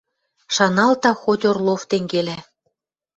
Шаналта хоть Орлов тенгелӓ.